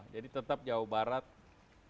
jadi tetap jawa barat dki jawa tengah